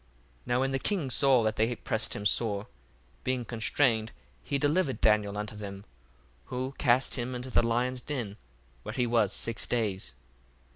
1:30 Now when the king saw that they pressed him sore, being constrained, he delivered Daniel unto them: 1:31 Who cast him into the lions' den: where he was six days.